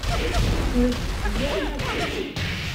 Ur as-d-yewwi ara ad yečč.